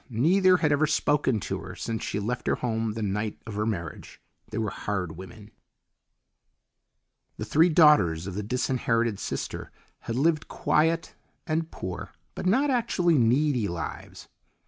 Neither had ever spoken to her since she left her home the night of her marriage. They were hard women. The three daughters of the disinherited sister had lived quiet and poor, but not actually needy lives.